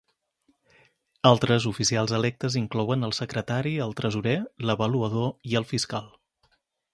Altres oficials electes inclouen el secretari, el tresorer, l'avaluador i el fiscal.